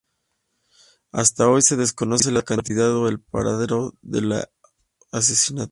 Hasta hoy se desconoce la identidad o el paradero de los asesinos.